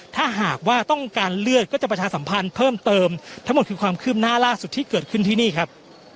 ถ้าหากว่าต้องการเลือดก็จะประชาสัมพันธ์เพิ่มเติมทั้งหมดคือความคืบหน้าล่าสุดที่เกิดขึ้นที่นี่ครับ